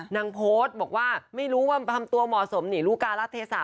นางโพสต์บอกว่าไม่รู้ว่าทำตัวเหมาะสมหนีลูกการะเทศะ